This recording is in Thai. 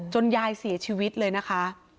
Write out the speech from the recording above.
ยายเสียชีวิตเลยนะคะ